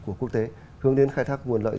của quốc tế hướng đến khai thác nguồn lợi